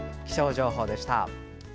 気象情報でした。